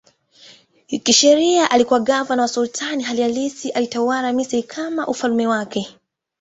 Kisheria alikuwa gavana wa sultani, hali halisi alitawala Misri kama ufalme wake.